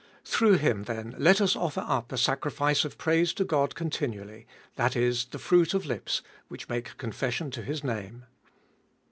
Through Him then let us offer up a sacrifice of praise to God continually, that is, the fruit of lips which make con fession of His name.